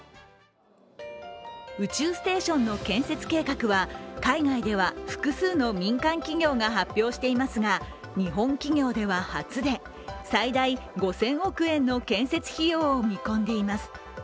宇宙ステーションの建設計画は海外では複数の民間企業が発表していますが、日本企業では初で、最大５０００億円の建設費用を見込んでいます。